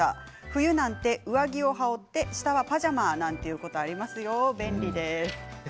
冬なんて上着を羽織って下はパジャマなんてことありますよ、便利です。